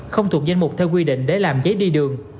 không thuộc danh mục theo quy định để làm giấy đi đường